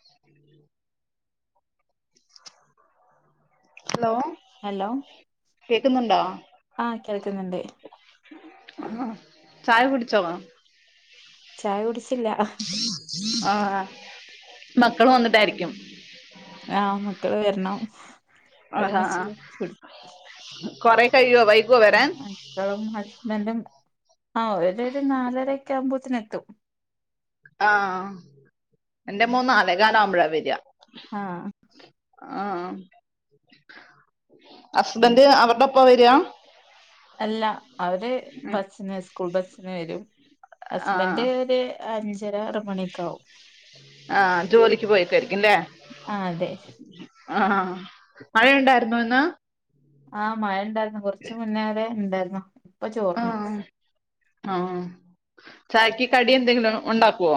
ഉം hello hello കേക്കുന്നുണ്ടോ കേൾക്ന്ന്ണ്ട് ആഹ് ചായ കുടിച്ചോ ചായ കുടിച്ചില്ല ആഹ് മക്കള് വന്നിട്ടാരിക്കും ആഹ് മക്കള് വരണം ഒരുമിച്ച് കുടി കൊറേ കയ്യോ ക്കളും ഹസ്ബന്റും ആഹ് ഒരൊരു നാലരക്കെ ആവുമ്പത്തിനെത്തും ആഹ് എന്റെ മോൻ നാലേകാലാവുമ്പഴാ വര ആഹ് ആഹ് ഹസ്ബന്റ് അവറ്ടൊപ്പ വര അല്ല അവര് ബസ്സിന സ് കൂൾ ബസ്സിന് വരും ആ ഹസ്ബന്റ് ഒര് അഞ്ച് ഞ്ചരാ ആറ് മണിയൊക്കാവും ആഹ് ജോലിക്ക് പോയ്ക്കാരിക്കും ലെ ആഹ് അതെ ആഹ് മഴ ഈണ്ടായിരുന്നോ ഇന്ന് ആഹ് മഴ ഇണ്ടാര് കൊറച്ച് മുന്നേരെ ഇണ്ടാർന്നു ആഹ് ആഹ് ചായക്കി കടി എന്തെങ്കിലും ഉണ്ടാക്കോ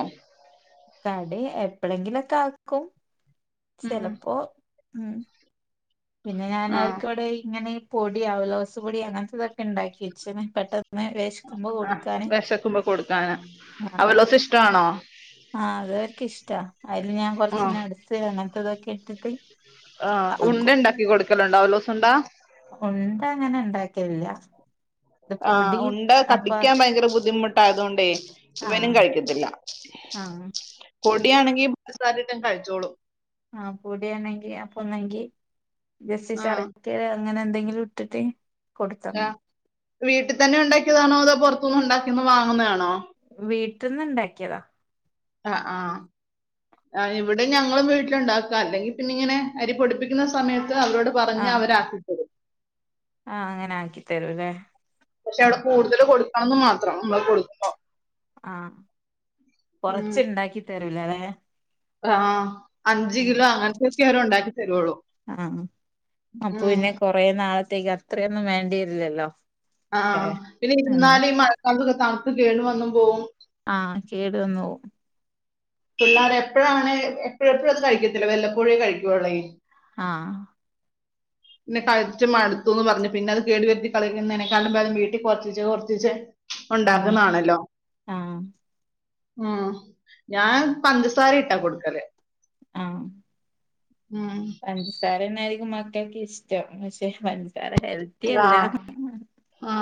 കടി എപ്പഴെങ്കിലുംക്കാക്കും ഉം ചെലപ്പോ ഉം പിന്നെ ഞാൻ ആ ആർക്ക്വ്ടേ ഇങ്ങനെ പൊടി ഔലോസ് പൊടി അങ്ങൻത്തതൊക്കെ ഇണ്ടാക്കി വെച്ച്ന് പെട്ടന്ന് വെശ്ക്കുമ്പോ ആ ഒടുക്കാന് വെശക്കുമ്പോ കൊടുക്കാന് ആ അവലോസ് ഇഷ്ടാണോ ആഹ് അത് അവർക്കിഷ്ടാ അതില് ഞാൻ കൊറച്ച് ആ നടുത്ത് അങ്ങനത്തതൊക്കെ [unintelligible] ആഹ് ഉണ്ടയുണ്ടാക്കി കൊടുക്കലൊണ്ട അവലൂസുണ്ടാ ഇല്ല ആഹ് ഉണ്ട കടിക്കാൻ ഭയങ്കര ബുദ്ധിമുട്ട് ട്ടായതുകൊണ്ടേ ആ ഇവനും കഴിക്കത്തില്ല ആ പൊടി - പൊടി ആണെങ്കിൽ ധം [unintelligible] കഴിച്ചോളും ആഹ് പൊടിയാണെങ്കി അപ്പൊ ഒന്നെങ്കി ബസി ആഹ് ചരകേ [unintelligible] അങ്ങനെ എന്തെങ്കിലും ഇട്ടിട്ട്- കൊടുത്താ ആ മതി വീട്ടിൽ തന്നെ ഉണ്ടാക്കിയതാണോ അതോ പുറത്ത ഉണ്ടാക്കിന്ന് വാങ്ങുന്നതണോ വീട്ടിന്ന് ഇണ്ടാക്കിയതാ ആ ആ ആ ഇവിടെ ഞങ്ങളും വീട്ടിലുണ്ടാക്കുക അല്ലെങ്കിൽ പിന്നെ ഇങ്ങനെ അരി പൊടിപ്പിക്കുന്ന സമയത്ത് അവരോട് പറഞ്ഞ് അവരാക്കിത്തരും ആഹ് അങ്ങനെ ആക്കി തരൂല്ലേ പക്ഷെ അവിടെ കൂടുതല് കൊടുക്കണംന്ന് മാത്രം നമ്മള് കൊടുക്കുമ്പോ ആഹ് ഉം കൊറച്ച് ഉണ്ടാക്കി തരാ ള്ളല്ലേ [unintelligible] ആഹ് അഞ്ച് കിലോ അങ്ങനത്തൊക്കെ അവര് ഉണ്ടാക്കി തരൂളൂ ആ ഉം ത്തേക്ക് അത്രയൊന്നും വേണ്ടിവരില്ലല്ലോ ഏ ആഹ് പിന്നെ ഉം ഇരുന്നാലും ഈ മഴക്കാലത്ത് തണുത്ത് കേട് വന്നും പോകും ആഹ് കേടുവന്ന് പോവും പിള്ളാര് എപ്പഴാണ് എപ്പഴും എപ്പോഴും അത് കഴിക്കത്തില്ല വെല്ലപ്പോഴുവെ കഴിക്കുവുള്ളയി ആഹ് പിന്നെ കഴിച്ച് മട്ത്തൂന്ന് പർഞ്ഞു പിന്നെ അത് കേട് വര്ത്തി കളയുന്നതിനേക്കാളും ഭേതം വീട്ടി കൊർച്ചീച്ചെ കൊർച്ചീച്ചെ ഉം ഉണ്ടാക്കുന്നാണല്ലോ ആഹ് ആ ഞാൻ പഞ്ചസാര ഇട്ടാ കൊടുക്കല് ആം ഉം പഞ്ചസാര തന്നെയായിരിക്കും ന ടോക്കെ ഇഷ്ടം പക്ഷെ [unintelligible] ഹെൽത്തി ആ അല്ല ആ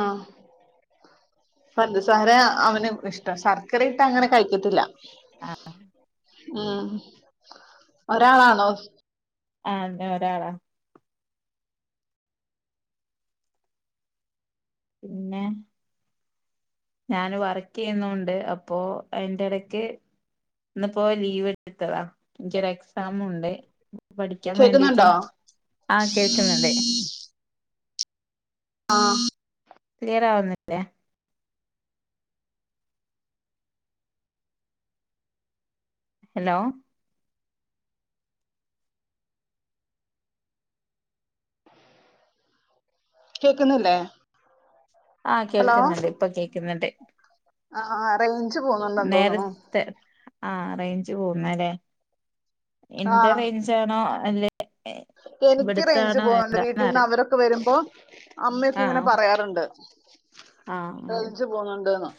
പഞ്ചസാര അവന് ഇഷ്ട ശർക്കര ഇട്ടാ അങ്ങനെ കഴിക്കത്തില്ല ആഹ് ഉം ഒരാളാണോ ആന്നെ ഒരാളാ പിന്നെ ഞാൻ വർക്ക് ചെയ്യുന്നുണ്ട് അപ്പോ അയിന്റെ ഇടക്ക് ഇന്നിപ്പോ ലീവ് എടുത്തതാ എനിക്കൊരു എക്സാമുണ്ട് പഠിക്കാൻ വേണ്ടീട്ട് കേക്കുന്നുണ്ടോ ആഹ കേൾക്കുന്നുണ്ട് ആഹ ക്ലിയർ ആവുന്നില്ലേ ഹലോ കേക്കുന്നില്ലേ ആഹ ഹലോ കേൾക്കുന്നുണ്ട് ഇപ്പൊ കേൾക്കുന്നുണ്ട് ആഹ് റേഞ്ച് പോകുന്നുണ്ടെന്ന് തോന്നുണു നേരത്തെ ആഹ റേഞ്ച് പോകുന്നല്ലേ എന്റെ ആഹ് റേഞ്ചാണോ അല്ലെ എനിക്ക് റേഞ്ച് ഇവിടുത്താണോ പോകാറുണ്ട് വീട്ടിൽന്ന് എന്താന്നറി അവരൊക്കെ വരുമ്പോ അമ്മയൊക്കെ ഇങ്ങനെ പറയാറുണ്ട് ആഹ ആ റേഞ്ച് പോകുന്നുണ്ട്ന്ന്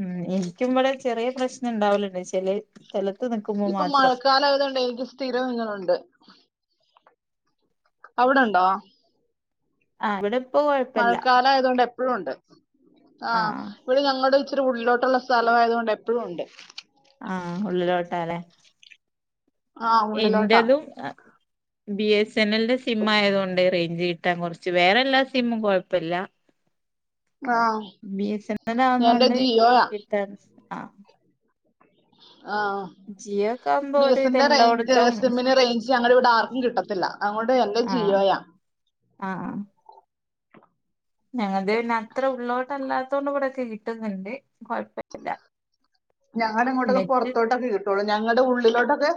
ഉം എ എനിക്കുമ്പടെ ചെറിയ പ്രശ്നം ഉണ്ടാവലുണ്ട് ചില [inaudible] ഇപ്പൊ മഴക്കാലായതുകൊണ്ടെ എനിക്ക് സ്ഥിരം ഇങ്ങനുണ്ട് അവിടെണ്ടോ ആഹ് ഇവിടെ ഇപ്പൊ കൊഴപ്പല്ല മഴക്കാലായതുകൊണ്ട് എപ്പോഴും ഉണ്ട് ആഹ് ഇവിടെ ഞങ്ങളുടെ ഇത്തിരി ഉള്ളിലോട്ടുള്ള സ്ഥലം ആയതു കൊണ്ട് എപ്പോഴുണ്ട് ആഹ ഉള്ളിലോട്ടാലെ ആഹ് ഉള്ളിലോട്ടാ എന്റതും അ ബി എസ് എൻ എലിന്റെ സിം ആയതു കൊണ്ട് റേഞ്ച് കിട്ടാൻ കുറച്ച് വേറെ എല്ലാ സിമ്മും കുഴപ്പില്ല ആഹ് ബി എസ് എൻ എൽ എന്റെ ആവുന്നൊണ്ട് ജിയോയാ കിട്ടാൻ ആഹ ആ ഒക്കെ ആവുമ്പോ ബി ഒരു എസ എനിന്റെ റേഞ്ച് ഇതെല്ലോടത്തും സിമ്മിന്റെ റേഞ്ച് ഞങ്ങളിവിടെ ആർക്കും കിട്ടത്തില്ല അതോണ്ട് എന്റെ ജിയോയാ ആഹ ഞങ്ങത് പിന്നെ അത്ര ഉള്ളോട്ടല്ലാത്തൊണ്ട് ഇവിടെ കിട്ടുന്നുണ്ട് കുഴപ്പില്ല ഞങ്ങടെ ഇങ്ങോട്ടൊക്കെ പുറത്തോട്ടൊക്കെ കിട്ടുളൂ ഞങ്ങളുടെ ഉള്ളിലോട്ടൊക്കെ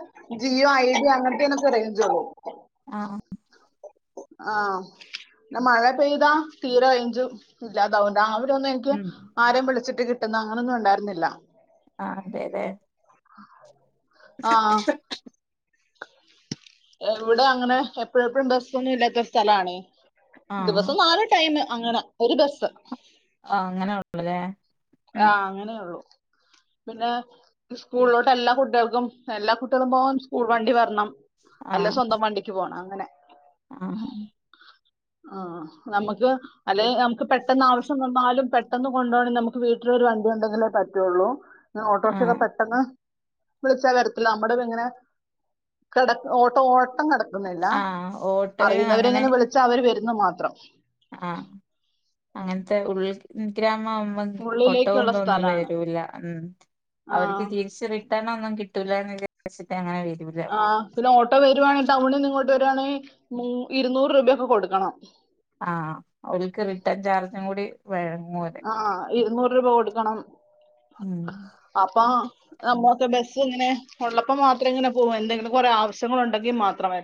ജിയോ ഐഡിയ അങ്ങനയ്ത്തെനൊക്കെ റേഞ്ച്ഉള്ളൂ ആഹ് ആഹ എന്ന മഴ പെയ്താ തീരെ റേഞ്ചും ഇല്ലാതാവും [unintelligible] എനിക്ക് ഉം ആരേം വിളിച്ചിട്ട് കി പെട്ടന്ന് അങ്ങനൊന്നും ഉണ്ടായിരുന്നില്ല ആ അതെ അതെ [unintelligible] ആഹ എവിടെ അങ്ങനെ എപ്പഴും എപ്പോഴും ബസ്സൊന്നും ഇല്ലാത്ത സ്ഥലാണെ ആഹ് ദിവസം നാല് ടൈം അങ്ങനെ ഒരു ബസ് ആ അങ്ങനെയള്ളത് ആഹ അങ്ങനെയ ഉള്ളു പിന്നെ സ്കൂളിലോട്ട് എല്ലാ കുട്ടികൾക്കും എല്ലാ കുട്ടികളും പോ സ്കൂൾ വണ്ടി വരണം അല്ല ആഹ് സ്വന്തം വണ്ടിക്ക് പോണം [unintelligible] ആഹ് ആ നമുക്ക് അല്ലെ നമുക്ക് പെട്ടെന്ന് ആവശ്യം തന്നാലും പെട്ടെന്ന് കൊണ്ടു പോണെങ്കിൽ നമുക്ക് വീട്ടിലൊരു വണ്ടി ഉണ്ടെങ്കിലേ പറ്റുള്ളൂ ഓട്ടോറിക്ഷ ഒക്കെ ആഹ് പെട്ടെന്ന് വിളിച്ചാൽ വരത്തില്ല നമ്മുടെ ഇങ്ങനെ കട ഓട്ട ഓട്ടം കട ആഹ് ഓട്ടോയും അറിയവരെങ്ങനെ വിളി വരുന്ന മാത്രം ആഹ അങ്ങനത്തെ ഉള്ള അ അമ്മ ഉള്ളിലേക്കുള്ള ഒട്ടുംന്തൊന്നും സ്ഥലമാണ് വരൂല്ല ഉ ആ അവർക്ക് തിരിച്ചറി ഒന്നും കിട്ടൂല്ല എന്ന് വി ആ പിന്നെ ഓട്ടോ വരുവാണെങ്കിൽ തമ്മിൽ നിങ്ങോട്ട് രാണ് ഇരുന്നൂറ് രൂപൊക്കെ കൊടുക്കണം ആഹ അവക്ക് റിട്ടേൺ ചാർജും കൂടി വഴങ്ങൂലെ ആഹ് ഇരുുന്നൂറ് രൂപ കൊട്ട കൊടുക്കണം ഉം അപ്പം നമ്മക്കെ ബസ്സ ഇങ്ങനെ ഉള്ളപ്പോ മാത്രം ഇങ്ങനെ പോകും എന്തെങ്കിലും കൊറെേ ആവശ്യങ്ങൾ ഉണ്ടെങ്കിൽ മാത്രമായി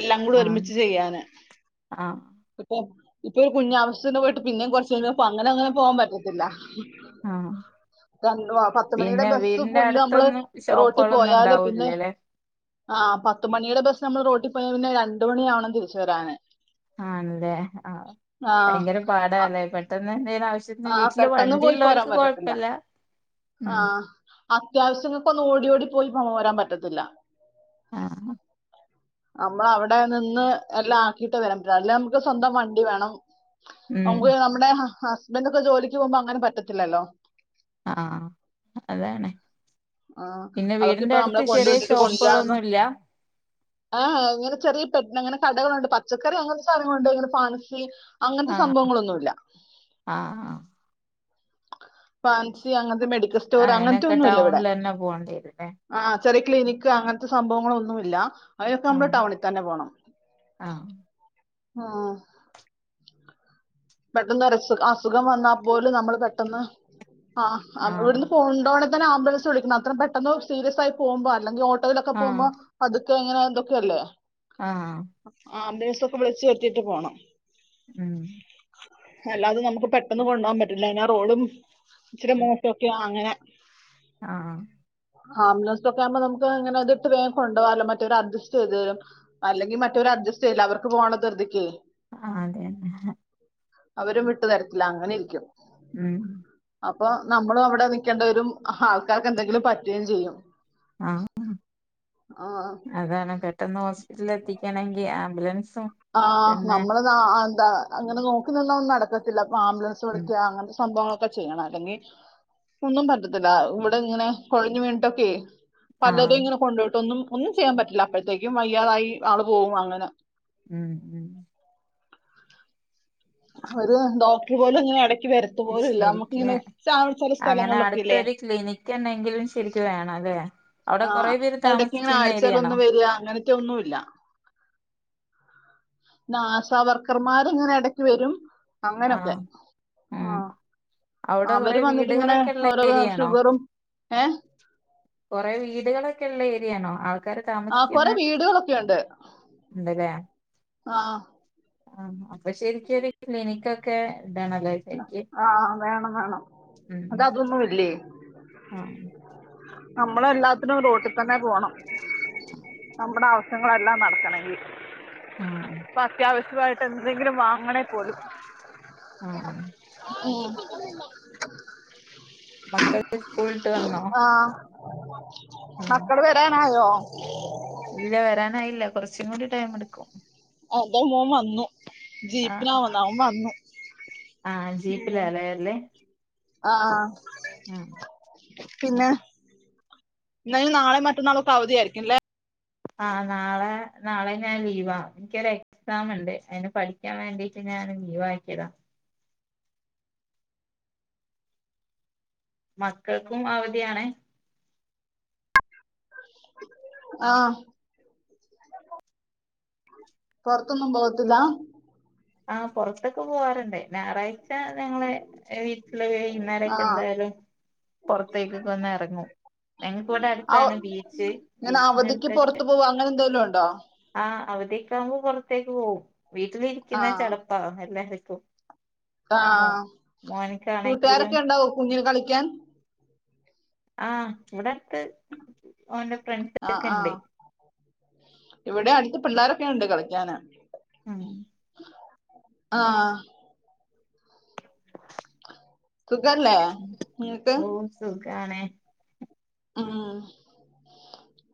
എല്ലാം കൂടെ ആഹ് ഒരുമിച്ച് ചെയ്യാന് ആഹ് ഇപ്പൊ ഇപ്പൊ ഒരു കുഞ്ഞയാാവസ്ഥേെ പോയിട്ട് പിന്നേ കുറ അങ്ങനെങ്ങനെ പോവാൻ പറ്റത്തില്ല ആഹ് രണ്ട പത്തുമണിയുടെ പിന്നെ ബസ് വീടിന്റെ കുഞ് നമ്മള് അടുത്തൊന്നും റോട്ടിൽ ഷോപ്പുകളൊന്നും പോയാല് പിന്നെ ഉണ്ടാവൂല്ലല്ലേ ആ പത്തുമണിയുടെ ബസ് നമ്മൾ റോഡ് പോ പിന്നെ രണ്ട മണിയാവണം തിരിച്ച വരാാന് ആണല്ലേ ആഹ ഭയങ്കര അ- പാടല്ലേ പെട്ടെന്ന് എന്തേലും ആവശ്യത്തിന് ആ വീട്ടില് പെട്ടെന്ന് പോയി പോരാൻ വണ്ടിള്ളവർക്ക് പറ്റത്തില്ല കൊഴപ്പല്ല ഉം അത്യാവശ്യങ്ങൾക്ക ഒന്ന് ഓടി ഓടി പോയി ഭമം വരാൻ പറ്റത്തില്ല ആഹ നമ്മൾ അവിടെ നിന്ന് എല്ലാം ആക്കീട്ട് വരാൻറ്റ അല്ല നമുക്ക് സ്വന്തം വണ്ടി വേണം ഉം നക്ക് നമ്മുടെ ആ ബന് ഒക്കെ ജോലിക്ക് പോകുമ്പോ അങ്ങനെ പറ്റത്തില്ലോ ആഹ അതാണ് ആ പിന്നെ വീടിന്റെ അവർക്കിപ്പോ നമ്മളെ അടുത്ത് ചെറിയ കൊണ്ടുവിട്ടിട്ട് ഷോപ്പുകളൊന്നൂല്ല ആഹ ഇങ്ങനെ ചെറിയ പെ അങ്ങനെ കടകളുണ്ട് പച്ചക്കറി അങ്ങനത്തെ സാധങ്ങളുണ്ട് ഇങ്ങനെ ഫാൻസി അങ്ങനത്തെ ആഹ് സംഭവങ്ങളൊന്നുമല്ല ആഹ് ഫാൻസി അങ്ങനത്തെ മെഡിക്കൽ സ്റ്റോറ് അങ്ങനത്തെ അയിനൊക്കെ ഒന്നും ഇല്ല ഇവിടെ ടൗണിൽ തന്നെ പോകേണ്ടി വരുല്ലേ ചെറിയ ക്ലിനിക്ക് അങ്ങനത്തെ സംഭവങ്ങളോന്നും ഇല്ല അയിനൊക്കെ ആഹ് നമ്മള് ടൗണിൽ തന്നെ പോണം ആഹ് ആഹ പെട്ടെന്ന് ഒരസുഖ അസുഖം വന്നാൽ പോലും നമ്മൾ പെട്ടെന്ന് ആഹ് അമ്മ ആഹ് ഇവിടുന്ന് പോണ്ടോണ [unintelligible] ആംബുൻസ് വിളിക്കണം അത്ര പെട്ടെന്ന് സീരിയസ് ആയി പോകുമ്പോ അല്ലെങ്കിലോട്ടോ യിലൊക്കെ പോകുമ്പോ പതുക്കെ ഇ എങ്ങനെ എന്തൊക്കെയല്ലോ ആഹ ദിവസൊക്കെ വിളിച്ചച്ച് വരുത്തിയിട്ട് പോണം ഉം അല്ലാതെ നമുക്ക് പെട്ടെന്ന് കൊണ്ട് പോകാൻ പറ്റില്ല അയിനാറോഡും ഇച്ചിരി മോശോക്കെയാ അങ്ങനെ ആഹ് ആംബുലൻസ് ഒക്കെ ആകുമ്പോ നമുക്ക് ഇങ്ങനെ അത് ഇട്ട് വേഗം കൊണ്ടപോവാല്ലോ മറ്റവര് അഡ്ജസ്റ്റ് ചെയ്ത് തരും അല്ലെങ്കിൽ മറ്റവര് അഡ്ജസ്റ്റ് ചെയില്ല അവർക്ക് പോകാനുള്ള ധിർതിയെ ആ അതെതെ അവരും വിട്ടു തരത്തില്ല അങ്ങനെ ഇരിക്കും ഉം അപ്പൊ നമ്മളും അവിടെ നിക്കേണ്ട വരും ആൾക്കാർക്ക് എന്തെങ്കിലും പറ്റുകയും ചെയ്യും ആഹ ആ, അതാണ് പെട്ട ന്ന് ഹോസ്പിറ്റല എത്തി കണങ്കി ആംബുലൻസ് ആഹ നമ്മള് ന അങ്ങനെ നോക്കുന്നതോന്നും നടക്കത്തില്ല ആംബുലൻസ് ഉം വിളിക്കുക അങ്ങനത്തെ സംഭവം ക്കെ ചെയ്യണം അല്ലെങ്കിൽ ഒന്നും പറ്റത്തില്ല ഇവിടെ ഇങ്ങനെ കൊഴഞ്ഞു വീണിട്ടൊക്കെ പലതും ആഹ് ഇങ്ങനെ കൊണ്ടു പോയിട്ടൊന്നും ഒന്നും ചെയ്യാൻ പറ്റില്ല അപ്പോഴത്തേക്കും വയ്യാതായി ആള് പോകും അങ്ങനെ ഉം ഉം അവ ഡോക്ടർ പോലും ഇങ്ങനെട ശരിക്ക ചില അങ്ങനെ സ്ഥലങ്ങളിലൊക്കെ ഇല്ലേ അടുത്തൊരു ക്ലിനിക്ക് ഉണ്ടെങ്കിലും ശരിക്ക വേണം അല്ലേ അവിടെ ആ കൊറെ പേര് ഇടക്ക ഇങ്ങനെ താമസിക്കുന്ന ആഴ്ചാല ഏരിയാണോ ഒന്നും വരിക അങ്ങനത്തെ ഒന്നുംല്ല നാസാവർക്കർമാർങ്ങനെ ഇടക്ക് വരും അങ്ങനൊക്കെ ആഹ് ഉം ആ അവിടെ കൊറെ അവര് വന്നിട്ടി ങ്ങനെ വീടുകളൊക്കെ ഉള്ള ഓരോ ഏരിയാണോ ഷുഗറും ഏ ള്ള ഏരിയയാണോ ആ കൊറെ വീടുകളൊക്കെുണ്ട് ആ ആ അപ്പൊ ശെരിക്കത് ക്ലിനിക്കൊക്കെ ഇടണല്ലേ ശരിക്ക് ആ വേണം വേണം അത ഉം അതൊന്നും ഇല്ലേ ആഹ് നമ്മളെ എല്ലാത്തിനും റോട്ടിൽ തന്നെ പോണം നമ്പടാവ ഞ ങ്ങളെല്ലാം നടക്കണമെങ്കി ആഹ് പ്പത്യാവശ്യ കായിട്ട് എന്തെങ്കിലും വാങ്ങണേ പോലും ആഹ് ഓഹ് മക്കള് സ്കൂളിട്ട് വന്നോ [inaudible] ആഹ് മക്കള് വരാനായോ [inaudible] ഇല്ല വരാനായില്ല കുറച്ചും കൂടി ടൈം എടുക്കും അത മോൻ വന്നു ആഹ് ജീപ്പിനാവന്നാവൻ വന്നു ആഹ് ജീപ്പിലാ ലെ ആഹ് ഉം പിന്നെ എന്നായും നാളെ മറ്റന്നാളൊക്കെ അവധിയായിരിക്കുംല്ലേ ആ നാളെ നാളെ ഞാൻ ലീവാ എനിക്കൊരു എക്സാം ഉണ്ട് അതിന് പഠിക്കാൻ വേണ്ടിട്ട് ഞാൻ ലീവ് ആക്കിയത മക്കൾക്കും അവധിയാണെ ആ പുറത്തൊന്നും പോകത്തില്ല ആ പുറത്തൊക്കെ പോവാറുണ്ട് ഞായറാഴ്ച ഞങ്ങളെ വീട്ടില് ആ വൈകുന്നേരൊക്കെ എന്തായാലും പുറത്തേക്കൊക്കെ ഒന്ന് എറങ്ങും ഞങ്ങക്ക് ഇവിടെ അവ- അടുത്താണ് ബീച്ച് ബീച്ചിനടുത്തൊക്കെ ണ്ടോ? ആ അവധീക്കെ ആവുമ്പ പുറത്തേക്ക് പോവും ആ വീട്ടിലിരിക്കുന്ന ചടപ്പാ എല്ലാം വെ ആ മോനിക്കാണെങ്കിലും കൂട്ടുകാരൊക്കെ ഉണ്ടാവോ കുഞ്ഞിന് കളിക്കാൻ ആ ഇവിടെ ഓന്റെ ആ ഫ്രണ്ട്സൊക്കെ ആ ഉണ്ട് ഇവിടെ അടുത്ത് പിള്ളോരൊക്കെ ഒണ്ട് കളിക്കാന് ഉം ആഹ് സുഖല്ലേ നിങ്ങക്ക് ഖാണെ ഉം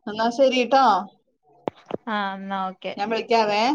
എന്നാ ശരീട്ടോ ആഹ് എന്നാ ഓക്കെ ശെരി